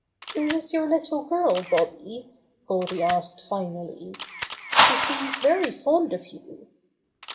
"Who is your little girl, Bobby?" Goldy ask finally. "She seems very fond of you."